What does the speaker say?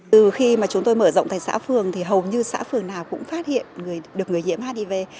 từ khi mà chúng tôi mở rộng tại xã phường thì hầu như xã phường nào cũng phát hiện được người nhiễm hiv